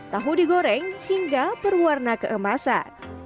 tahu digoreng hingga berwarna keemasan